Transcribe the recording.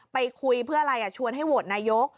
ไปคุยเพื่ออะไรชวนให้โหวตนายก